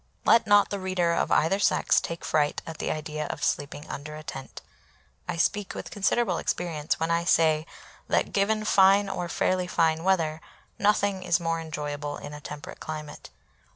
Let not the reader of either sex take fright at the idea of sleeping under a tent. I speak with considerable experience when I say that, given fine or fairly fine weather, nothing is more enjoyable in a temperate climate.